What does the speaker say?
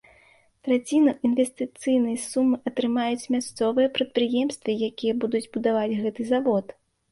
Траціну інвестыцыйнай сумы атрымаюць мясцовыя прадпрыемствы, якія будуць будаваць гэты завод.